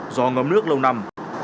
do ngấm nước lâu năm